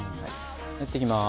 練っていきます。